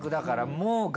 もう。